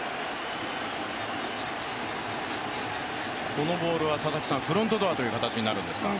このボールはフロントドアっていう形になってるんですか？